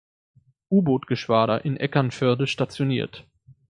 Ubootgeschwader in Eckernförde stationiert.